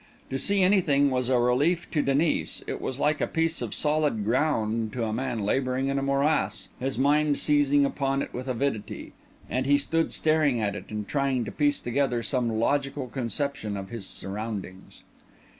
To see anything was a relief to Denis; it was like a piece of solid ground to a man labouring in a morass; his mind seized upon it with avidity; and he stood staring at it and trying to piece together some logical conception of his surroundings.